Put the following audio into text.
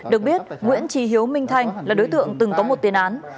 được biết nguyễn trí hiếu minh thanh là đối tượng từng có một tiền án